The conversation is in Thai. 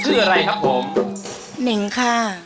ชื่ออะไรครับผมนิ๋งค่ะ